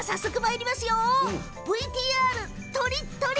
ＶＴＲ、とりっとり！